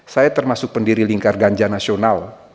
saya termasuk pendiri lingkar ganja nasional